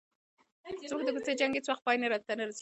زموږ د کوڅې جنګ هیڅ وخت پای ته نه رسيږي.